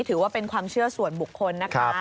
ถือว่าเป็นความเชื่อส่วนบุคคลนะคะ